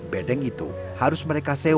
bedeng itu harus mereka sewa